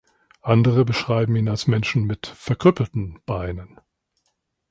Andere beschreiben ihn als Menschen mit „verkrüppelten“ Beinen.